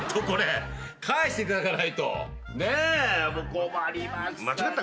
困りました。